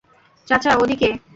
চাচা, ওদিকে।